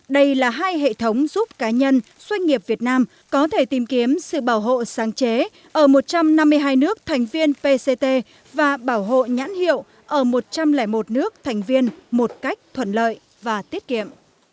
đây là hai hệ thống giúp cá nhân doanh nghiệp việt nam có thể tìm kiếm sự bảo hộ sáng chế ở một trăm năm mươi hai nước thành viên pct và bảo hộ nhãn hiệu ở một trăm linh một nước thành viên một cách thuận lợi và tiết kiệm